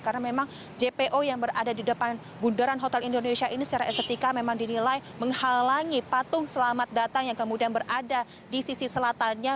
karena memang jpo yang berada di depan bundaran hotel indonesia ini secara estetika memang dinilai menghalangi patung selamat datang yang kemudian berada di sisi selatannya